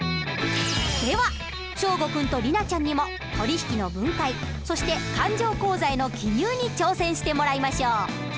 では祥伍君と莉奈ちゃんにも取引の分解そして勘定口座への記入に挑戦してもらいましょう。